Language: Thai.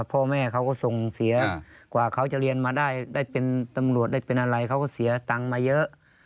พ่อแม่เขาก็ส่งเสียกว่าเขาจะเรียนมาได้ได้เป็นตำรวจได้เป็นอะไรเขาก็เสียตังค์มาเยอะ